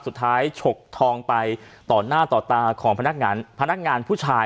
สุดท้ายฉกทองไปต่อหน้าต่อตาของพนักงานผู้ชาย